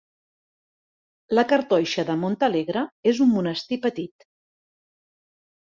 La Cartoixa de Montalegre és un monestir petit.